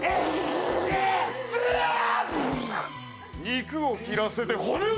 肉を切らせて骨を断つ。